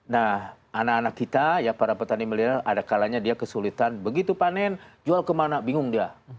nah anak anak kita ya para petani milenial ada kalanya dia kesulitan begitu panen jual kemana bingung dia